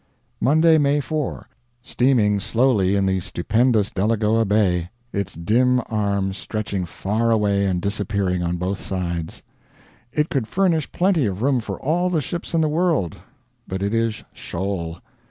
Monday, May 4. Steaming slowly in the stupendous Delagoa Bay, its dim arms stretching far away and disappearing on both sides. It could furnish plenty of room for all the ships in the world, but it is shoal.